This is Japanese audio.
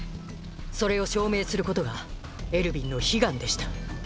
それを証明することがエルヴィンの悲願でした。